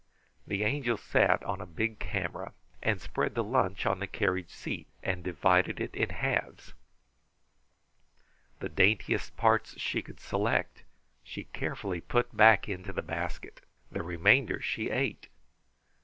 The Angel sat on a big camera, spread the lunch on the carriage seat, and divided it in halves. The daintiest parts she could select she carefully put back into the basket. The remainder she ate.